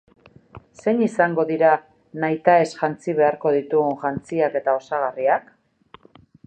Zein izango dira nahitaez jantzi beharko ditugun jantziak eta osagarriak?